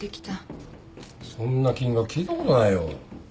そんな金額聞いたことないよ。